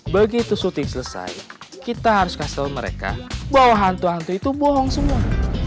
begitu sutik selesai kita harus kasih mereka bahwa hantu hantu itu bohong semua